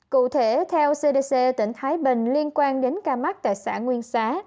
cụ thể theo cdc tỉnh thái bình liên quan đến ca mắc tại xã nguyên xá